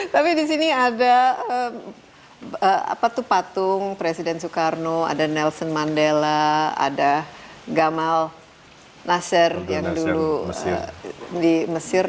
tapi di sini ada patung presiden soekarno ada nelson mandela ada gamal nasser yang dulu di mesir